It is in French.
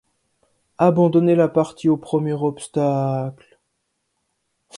Abandonner la partie au premier obstacle !